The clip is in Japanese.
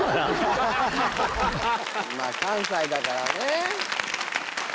まあ関西だからね。